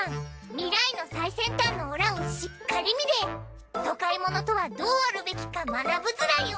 未来の最先端のオラをしっかり見て都会者とはどうあるべきか学ぶズラよ。